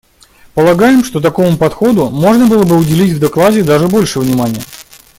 Полагаем, что такому подходу можно было бы уделить в докладе даже больше внимания.